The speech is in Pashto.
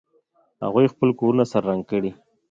هغوی خپل کورونه سره رنګ کړي